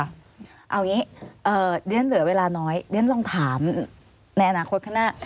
เอาอย่างนี้เรียนเหลือเวลาน้อยเรียนลองถามในอนาคตข้างหน้า